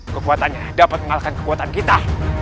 kekuatannya dapat mengalahkan kekuatan kita